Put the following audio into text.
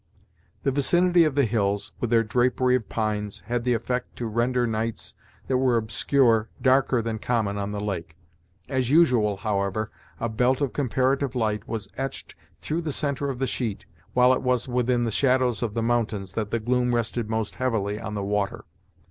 The vicinity of the hills, with their drapery of pines, had the effect to render nights that were obscure darker than common on the lake. As usual, however, a belt of comparative light was etched through the centre of the sheet, while it was within the shadows of the mountains that the gloom rested most heavily on the water.